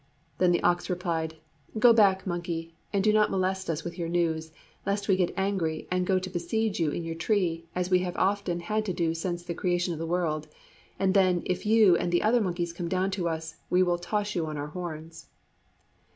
Then the ox replied, 'Go back, monkey, and do not molest us with your news, lest we get angry and go to besiege you in your tree, as we have often had to do since the creation of the world; and then, if you and the other monkeys come down to us, we will toss you on our horns.'"